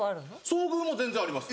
遭遇も全然あります。